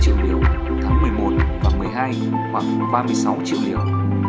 một mươi hai triệu liều tháng một mươi một và một mươi hai khoảng ba mươi sáu triệu liều